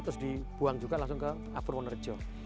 terus dibuang juga langsung ke apurwun rejo